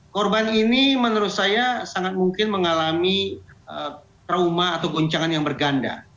korban ini menurut saya sangat mungkin mengalami trauma atau goncangan yang berganda